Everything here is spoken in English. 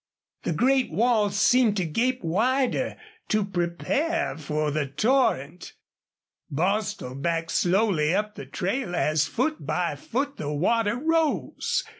The great walls seemed to gape wider to prepare for the torrent. Bostil backed slowly up the trail as foot by foot the water rose.